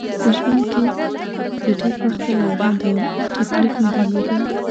په ژوند کې له ډېر وخته لالهانده وم او تکلیف مې درلود.